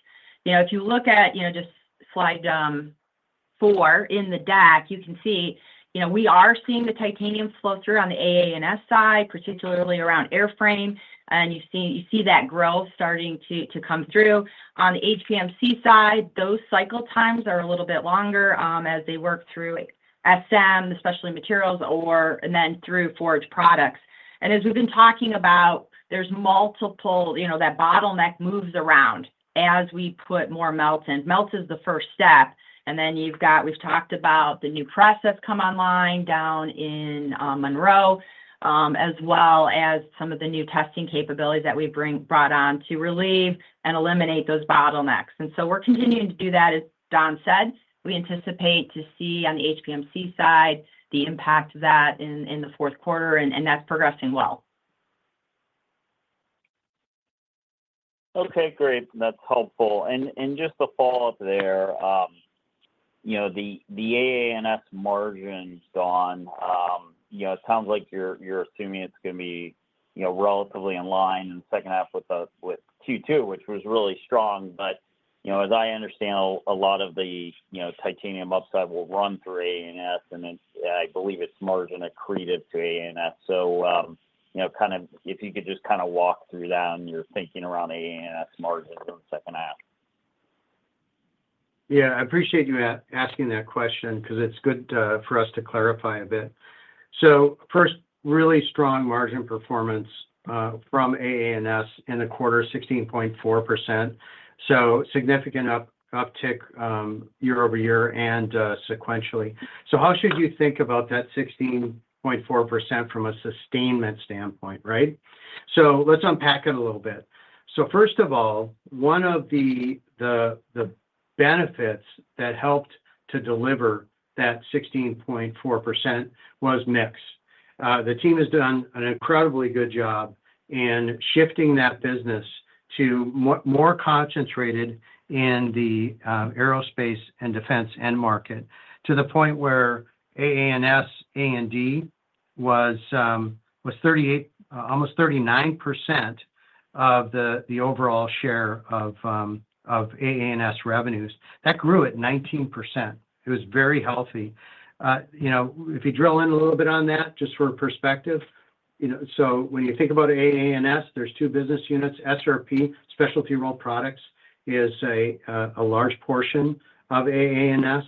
You know, if you look at, you know, just slide four in the deck, you can see, you know, we are seeing the titanium flow through on the AA&S side, particularly around airframe, and you see, you see that growth starting to, to come through. On the HPMC side, those cycle times are a little bit longer, as they work through SM, the Specialty Materials, or and then through Forged Products. And as we've been talking about, there's multiple, you know, that bottleneck moves around as we put more melt in. Melt is the first step, and then you've got, we've talked about the new process come online down in Monroe, as well as some of the new testing capabilities that we brought on to relieve and eliminate those bottlenecks. So we're continuing to do that. As Don said, we anticipate to see on the HPMC side the impact of that in the fourth quarter, and that's progressing well. Okay, great. That's helpful. And just to follow up there, you know, the AA&S margins, Don, you know, it sounds like you're assuming it's gonna be, you know, relatively in line in the second half with Q2, which was really strong. But, you know, as I understand, a lot of the you know, titanium upside will run through AA&S, and then I believe it's margin accretive to AA&S. So, you know, kind of if you could just kinda walk through that and your thinking around AA&S margin for the second half. Yeah, I appreciate you asking that question 'cause it's good for us to clarify a bit. So first, really strong margin performance from AA&S in the quarter, 16.4%. So significant uptick year-over-year and sequentially. So how should you think about that 16.4% from a sustainment standpoint, right? So let's unpack it a little bit. So first of all, one of the benefits that helped to deliver that 16.4% was mix. The team has done an incredibly good job in shifting that business to more concentrated in the aerospace and defense end market, to the point where AA&S, A&D was almost 39% of the overall share of AA&S revenues. That grew at 19%. It was very healthy. You know, if you drill in a little bit on that, just for perspective, you know, so when you think about AA&S, there's two business units, SRP, Specialty Rolled Products, is a large portion of AA&S.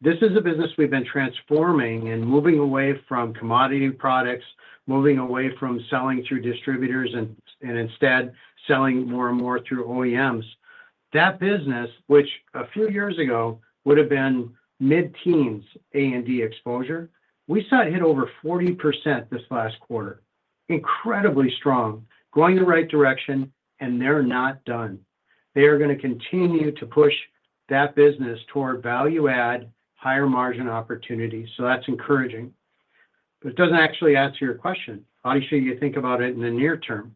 This is a business we've been transforming and moving away from commodity products, moving away from selling through distributors and, and instead selling more and more through OEMs. That business, which a few years ago would have been mid-teens A&D exposure, we saw it hit over 40% this last quarter. Incredibly strong, going in the right direction, and they're not done. They are gonna continue to push that business toward value add, higher margin opportunities. So that's encouraging. But it doesn't actually answer your question: How should you think about it in the near term?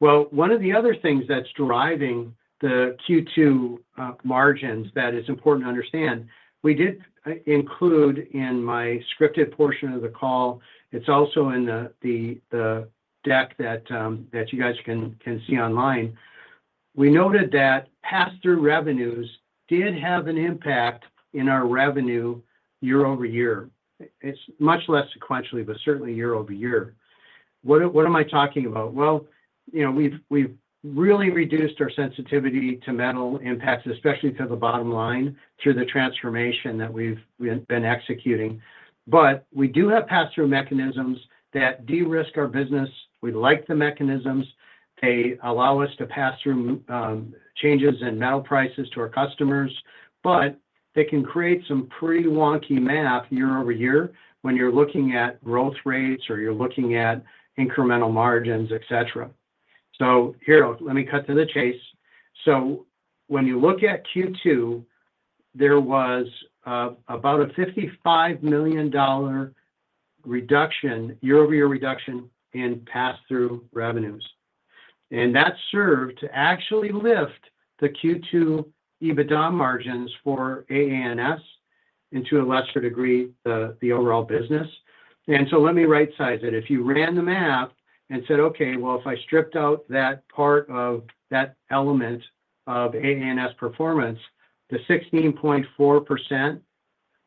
Well, one of the other things that's driving the Q2 margins that is important to understand, we did include in my scripted portion of the call, it's also in the deck that you guys can see online. We noted that pass-through revenues did have an impact in our revenue year-over-year. It's much less sequentially, but certainly year-over-year. What am I talking about? Well, you know, we've really reduced our sensitivity to metal impacts, especially to the bottom line, through the transformation that we have been executing. But we do have pass-through mechanisms that de-risk our business. We like the mechanisms. They allow us to pass through changes in metal prices to our customers, but they can create some pretty wonky math year-over-year when you're looking at growth rates or you're looking at incremental margins, et cetera. So here, let me cut to the chase. So when you look at Q2, there was about a $55 million reduction, year-over-year reduction in pass-through revenues, and that served to actually lift the Q2 EBITDA margins for AA&S, and to a lesser degree, the overall business. And so let me rightsize it. If you ran the math and said, "Okay, well, if I stripped out that part of that element of AA&S performance, the 16.4%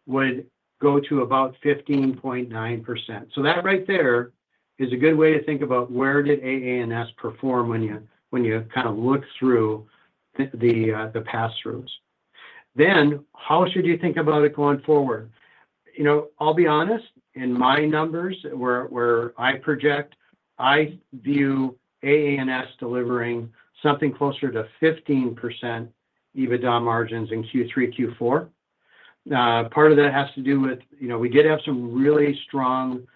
would go to about 15.9%." So that right there is a good way to think about where did AA&S perform when you, when you kind of look through the, the pass-throughs. Then, how should you think about it going forward? You know, I'll be honest, in my numbers, where, where I project, I view AA&S delivering something closer to 15% EBITDA margins in Q3, Q4. Part of that has to do with, you know, we did have some really strong,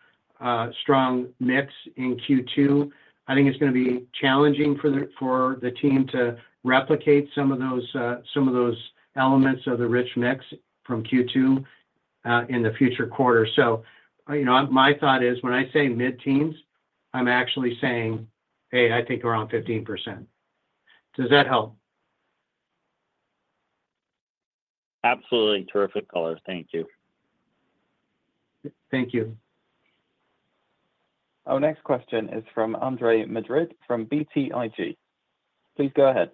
strong mix in Q2. I think it's gonna be challenging for the, for the team to replicate some of those, some of those elements of the rich mix from Q2.... in the future quarters. So, you know, my thought is, when I say mid-teens, I'm actually saying, "Hey, I think around 15%." Does that help? Absolutely. Terrific colors. Thank you. Thank you. Our next question is from Andre Madrid from BTIG. Please go ahead.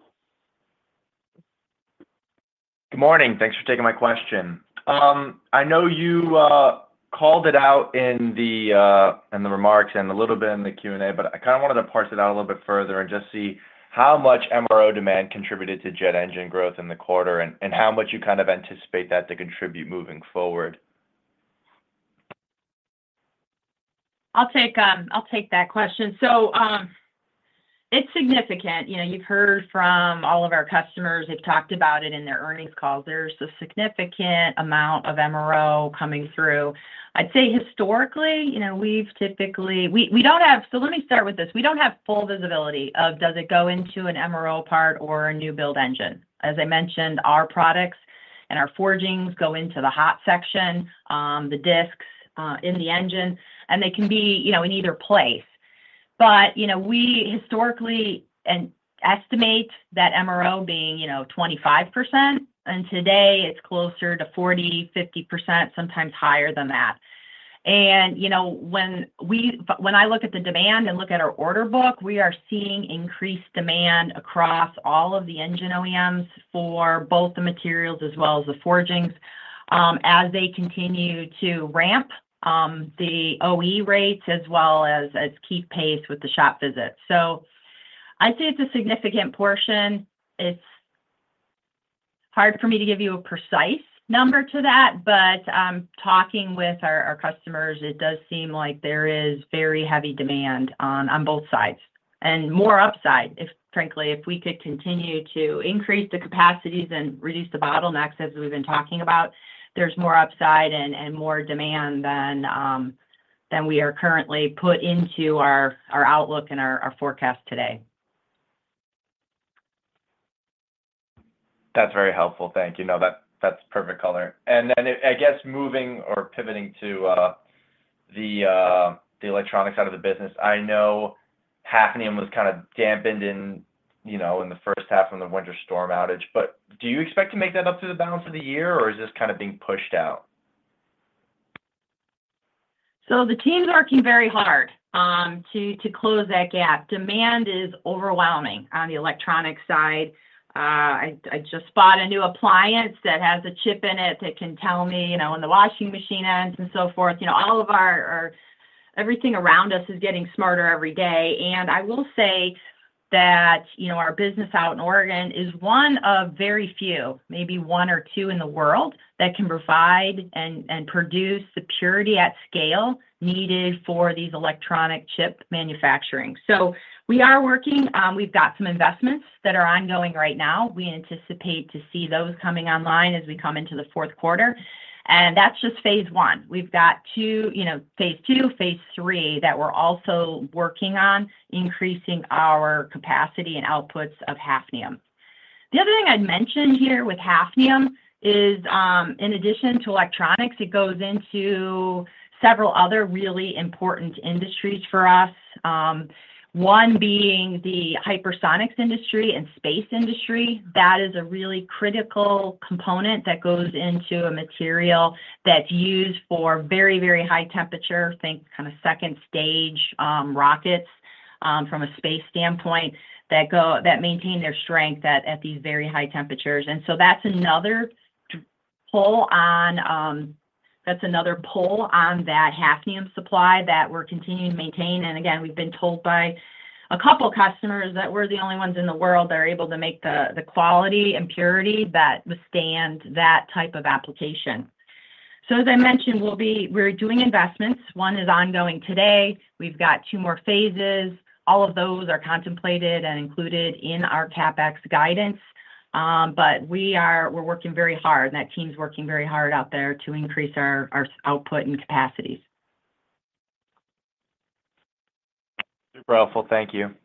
Good morning. Thanks for taking my question. I know you called it out in the remarks and a little bit in the Q&A, but I kind of wanted to parse it out a little bit further and just see how much MRO demand contributed to jet engine growth in the quarter, and how much you kind of anticipate that to contribute moving forward? I'll take that question. So, it's significant. You know, you've heard from all of our customers, they've talked about it in their earnings calls. There's a significant amount of MRO coming through. I'd say historically, you know, we don't have-- So let me start with this: We don't have full visibility of, does it go into an MRO part or a new build engine? As I mentioned, our products and our forgings go into the hot section, the disks in the engine, and they can be, you know, in either place. But, you know, we historically estimate that MRO being, you know, 25%, and today, it's closer to 40%-50%, sometimes higher than that. You know, when I look at the demand and look at our order book, we are seeing increased demand across all of the engine OEMs for both the materials as well as the forgings, as they continue to ramp the OE rates, as well as keep pace with the shop visits. So I'd say it's a significant portion. It's hard for me to give you a precise number to that, but talking with our customers, it does seem like there is very heavy demand on both sides. And more upside, if frankly if we could continue to increase the capacities and reduce the bottlenecks, as we've been talking about, there's more upside and more demand than we are currently put into our outlook and our forecast today. That's very helpful. Thank you. No, that, that's perfect color. And then, I, I guess, moving or pivoting to the electronics side of the business, I know hafnium was kind of dampened in, you know, in the first half from the winter storm outage, but do you expect to make that up through the balance of the year, or is this kind of being pushed out? So the team's working very hard to close that gap. Demand is overwhelming on the electronic side. I just bought a new appliance that has a chip in it that can tell me, you know, when the washing machine ends and so forth. You know, all of our everything around us is getting smarter every day. And I will say that, you know, our business out in Oregon is one of very few, maybe one or two in the world, that can provide and produce the purity at scale needed for these electronic chip manufacturing. So we are working. We've got some investments that are ongoing right now. We anticipate to see those coming online as we come into the fourth quarter, and that's just phase one. We've got two- you know, phase two, phase three, that we're also working on, increasing our capacity and outputs of hafnium. The other thing I'd mention here with hafnium is, in addition to electronics, it goes into several other really important industries for us. One being the hypersonics industry and space industry. That is a really critical component that goes into a material that's used for very, very high temperature, think kind of second stage, rockets, from a space standpoint, that go- that maintain their strength at, at these very high temperatures. And so that's another pull on, that's another pull on that hafnium supply that we're continuing to maintain. And again, we've been told by a couple customers that we're the only ones in the world that are able to make the, the quality and purity that withstand that type of application. So as I mentioned, we're doing investments. One is ongoing today. We've got two more phases. All of those are contemplated and included in our CapEx guidance. But we are- we're working very hard, and that team's working very hard out there to increase our output and capacity. Super helpful. Thank you.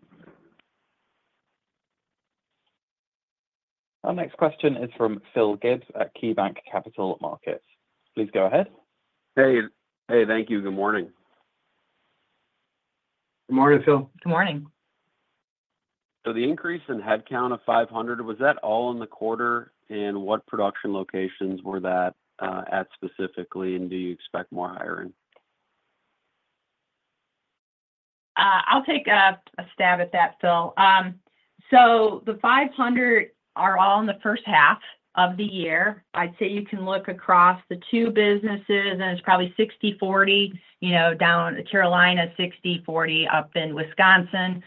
Our next question is from Phil Gibbs at KeyBanc Capital Markets. Please go ahead. Hey, hey, thank you. Good morning. Good morning, Phil. Good morning. The increase in headcount of 500, was that all in the quarter? And what production locations were that at specifically, and do you expect more hiring? I'll take a stab at that, Phil. So the 500 are all in the first half of the year. I'd say you can look across the two businesses, and it's probably 60/40, you know, down in Carolina, 60/40 up in Wisconsin.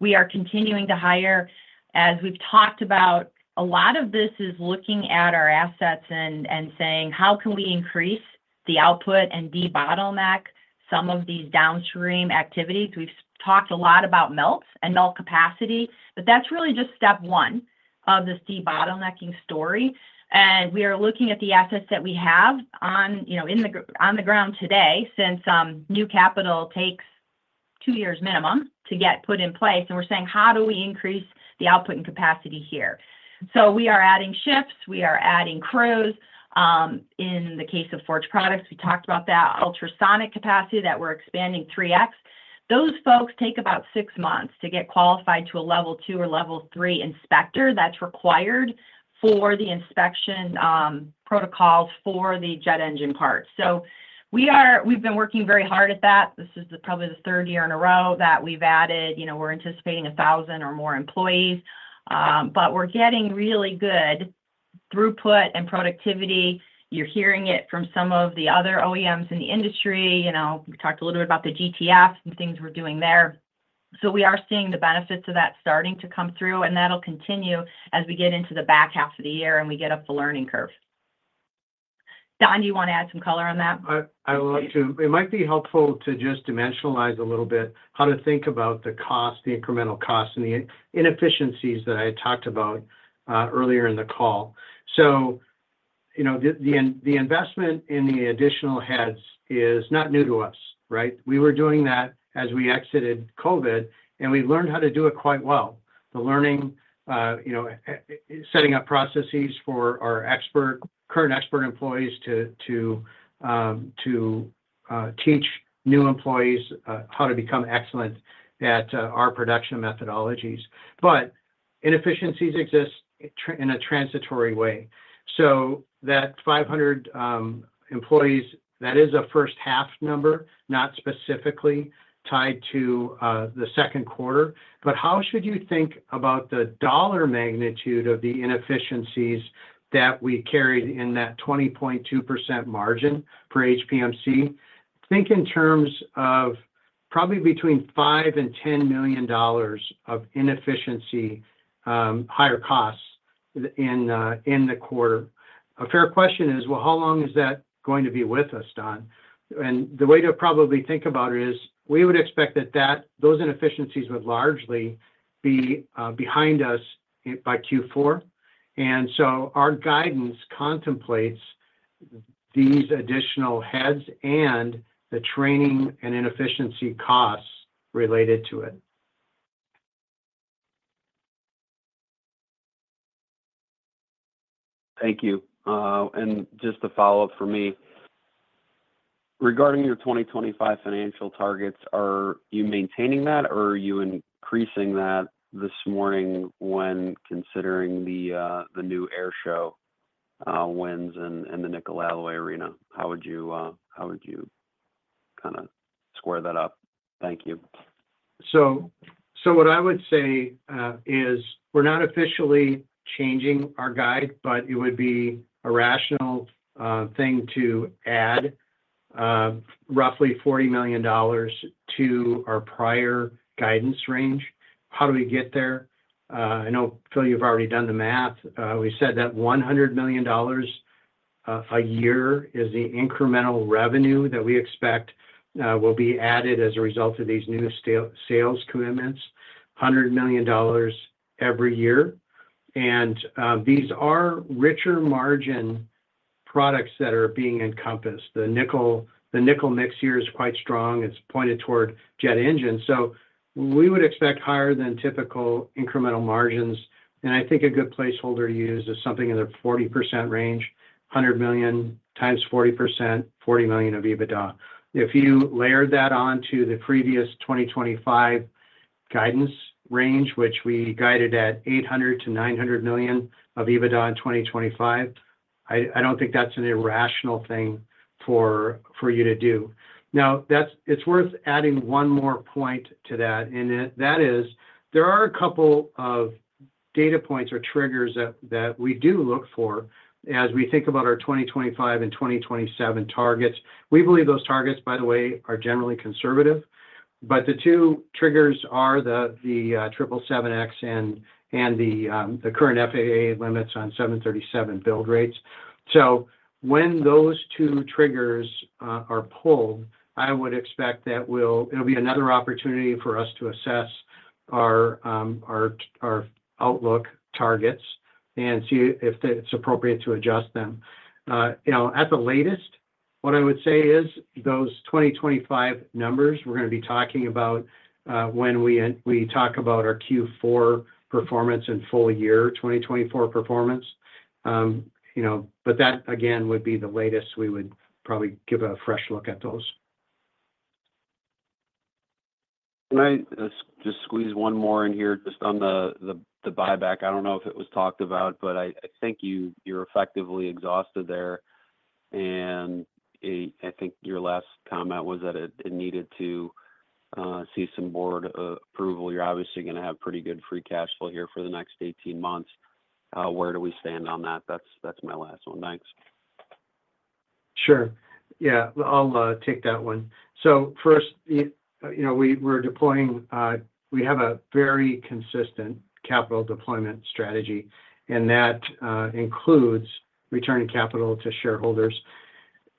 We are continuing to hire. As we've talked about, a lot of this is looking at our assets and saying: How can we increase the output and debottleneck some of these downstream activities? We've talked a lot about melts and melt capacity, but that's really just step one of this debottlenecking story. We are looking at the assets that we have on the ground today, since new capital takes two years minimum to get put in place, and we're saying: How do we increase the output and capacity here? So we are adding shifts, we are adding crews. In the case of Forged Products, we talked about that ultrasonic capacity that we're expanding 3x. Those folks take about six months to get qualified to a Level 2 or Level 3 inspector. That's required for the inspection protocols for the jet engine parts. We've been working very hard at that. This is probably the third year in a row that we've added, you know, we're anticipating 1,000 or more employees, but we're getting really good throughput and productivity. You're hearing it from some of the other OEMs in the industry. You know, we talked a little bit about the GTF and things we're doing there. So we are seeing the benefits of that starting to come through, and that'll continue as we get into the back half of the year and we get up the learning curve. Don, do you want to add some color on that? I would like to. It might be helpful to just dimensionalize a little bit how to think about the cost, the incremental cost, and the inefficiencies that I had talked about earlier in the call. So, you know, the investment in the additional heads is not new to us, right? We were doing that as we exited COVID, and we learned how to do it quite well. The learning, you know, setting up processes for our current expert employees to teach new employees how to become excellent at our production methodologies. But inefficiencies exist in a transitory way. So that 500 employees, that is a first-half number, not specifically tied to the second quarter. But how should you think about the dollar magnitude of the inefficiencies that we carried in that 20.2% margin for HPMC? Think in terms of probably between $5 million and $10 million of inefficiency, higher costs in the quarter. A fair question is, well, how long is that going to be with us, Don? And the way to probably think about it is, we would expect that those inefficiencies would largely be behind us by Q4. And so our guidance contemplates these additional heads and the training and inefficiency costs related to it. Thank you. And just a follow-up from me. Regarding your 2025 financial targets, are you maintaining that, or are you increasing that this morning when considering the new air show wins and the nickel alloy arena? How would you kind of square that up? Thank you. So what I would say is we're not officially changing our guide, but it would be a rational thing to add roughly $40 million to our prior guidance range. How do we get there? I know, Phil, you've already done the math. We said that $100 million a year is the incremental revenue that we expect will be added as a result of these new sales commitments, $100 million every year. And these are richer margin products that are being encompassed. The nickel, the nickel mix here is quite strong. It's pointed toward jet engines. So we would expect higher than typical incremental margins, and I think a good placeholder to use is something in the 40% range, $100 million times 40%, $40 million of EBITDA. If you layer that onto the previous 2025 guidance range, which we guided at $800 million-$900 million of EBITDA in 2025, I don't think that's an irrational thing for you to do. Now, that's. It's worth adding one more point to that, and it. That is, there are a couple of data points or triggers that we do look for as we think about our 2025 and 2027 targets. We believe those targets, by the way, are generally conservative, but the two triggers are the 777X and the current FAA limits on 737 build rates. So when those two triggers are pulled, I would expect that it'll be another opportunity for us to assess our outlook targets and see if it's appropriate to adjust them. You know, at the latest, what I would say is, those 2025 numbers we're gonna be talking about when we talk about our Q4 performance and full year 2024 performance. You know, but that, again, would be the latest we would probably give a fresh look at those. Can I just squeeze one more in here, just on the buyback? I don't know if it was talked about, but I think you're effectively exhausted there, and I think your last comment was that it needed to see some Board approval. You're obviously gonna have pretty good free cash flow here for the next 18 months. Where do we stand on that? That's my last one. Thanks. Sure. Yeah, I'll take that one. So first, you know, we're deploying. We have a very consistent capital deployment strategy, and that includes returning capital to shareholders.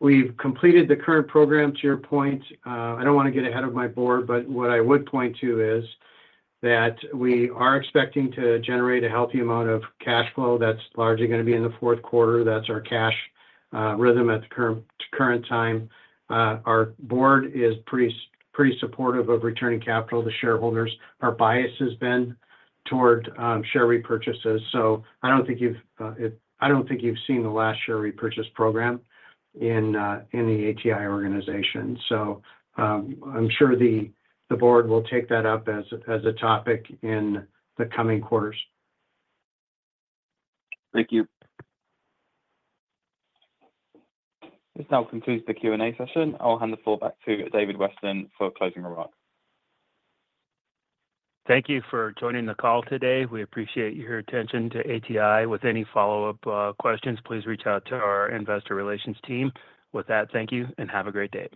We've completed the current program, to your point. I don't want to get ahead of my Board, but what I would point to is that we are expecting to generate a healthy amount of cash flow that's largely gonna be in the fourth quarter. That's our cash rhythm at the current, current time. Our Board is pretty supportive of returning capital to shareholders. Our bias has been toward share repurchases, so I don't think you've seen the last share repurchase program in the ATI organization. So, I'm sure the Board will take that up as a topic in the coming quarters. Thank you. This now concludes the Q&A session. I'll hand the floor back to David Weston for closing remarks. Thank you for joining the call today. We appreciate your attention to ATI. With any follow-up questions, please reach out to our investor relations team. With that, thank you, and have a great day.